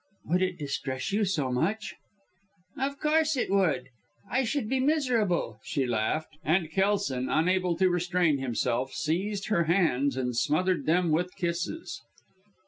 "Would it distress you so much?" "Of course it would. I should be miserable," she laughed. And Kelson, unable to restrain himself, seized her hands and smothered them with kisses.